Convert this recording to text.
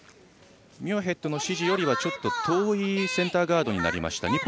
ミュアヘッドの指示よりは遠いセンターガードになりました。